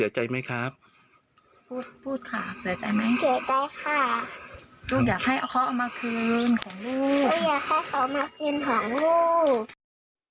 อยากให้เขามาคืนของลูก